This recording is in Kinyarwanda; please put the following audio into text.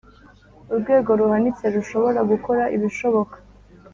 urwego ruhanitse rushobora gukora ibishoboka.